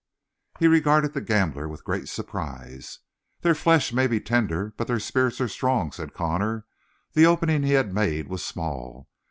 He regarded the gambler with great surprise. "Their flesh may be tender, but their spirits are strong," said Connor. The opening he had made was small.